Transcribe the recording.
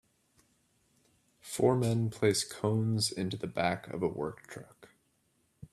Four men place cones into the back of a work truck